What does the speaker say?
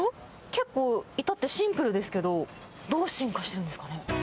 結構、いたってシンプルですけど、どう進化してるんですかね。